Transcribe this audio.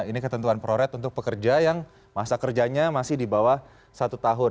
ini ketentuan proret untuk pekerja yang masa kerjanya masih di bawah satu tahun